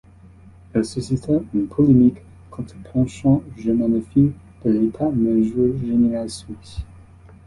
Elle suscita une polémique quant au penchant germanophile de l'état-major général suisse.